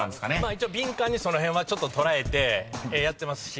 一応敏感にその辺はちょっと捉えてやってますし。